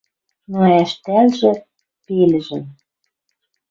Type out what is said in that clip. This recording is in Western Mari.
Но ӓштӓлжӹ пелӹжӹм.